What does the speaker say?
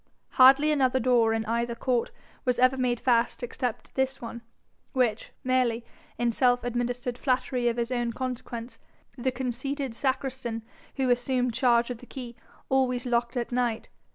Hardly another door in either court was ever made fast except this one, which, merely in self administered flattery of his own consequence, the conceited sacristan who assumed charge of the key, always locked at night.